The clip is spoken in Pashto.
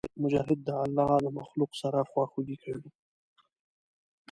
مجاهد د الله د مخلوق سره خواخوږي کوي.